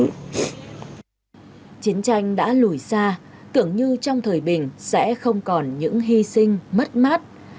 chiến tranh đã lùi xa tưởng như trong thời bình sẽ không còn những hy sinh mất mát